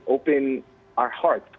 dan menerima hati kita